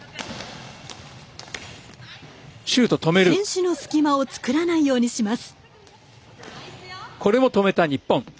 選手の隙間をつくらないようにします。